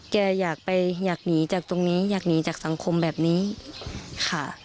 อยากไปอยากหนีจากตรงนี้อยากหนีจากสังคมแบบนี้ค่ะ